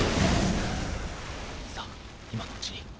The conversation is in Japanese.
さぁ今のうちに。